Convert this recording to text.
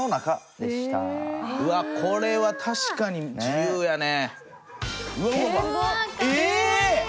うわっこれは確かに自由やね。